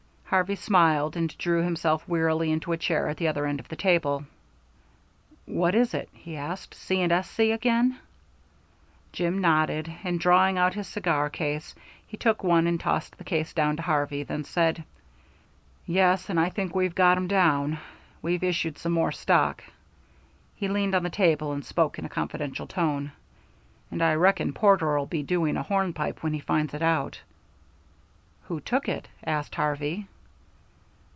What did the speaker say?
Harvey smiled, and threw himself wearily into a chair at the other end of the table. "What is it?" he asked. "C. & S.C. again?" Jim nodded, and drawing out his cigar case, he took one and tossed the case down to Harvey, then said: "Yes, and I think we've got 'em down. We've issued some more stock." He leaned on the table and spoke in a confidential tone. "And I reckon Porter'll be doing a hornpipe when he finds it out." "Who took it?" asked Harvey.